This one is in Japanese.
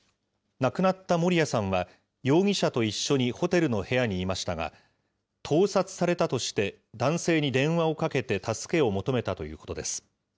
亡くなった守屋さんは、容疑者と一緒にホテルの部屋にいましたが、盗撮されたとして、男性に電話をかけて助けを求めたということです。